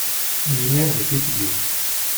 Nièrent les étudiants.